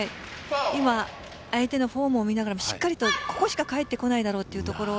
今、相手のフォームを見ながらしっかりとここしか返ってこないだろうという所を